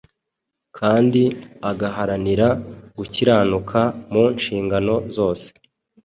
kandi agaharanira gukiranuka mu nshingano zose,